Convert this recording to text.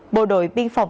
bộ đội biên phòng